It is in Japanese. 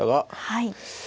はい。